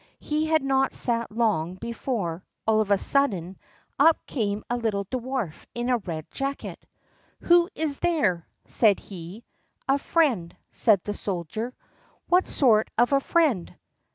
He had not sat long before, all of a sudden, up came a little dwarf in a red jacket. "Who is there?" said he. "A friend," said the soldier. "What sort of a friend?"